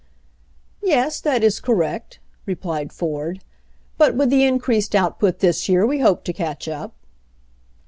"Yes, that is correct," replied Ford. "But with the increased output this year we hope to catch up.